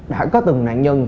đã có từng nạn nhân